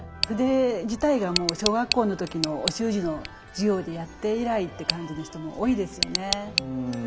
筆自体がもう小学校の時のお習字の授業でやって以来って感じの人も多いですよね。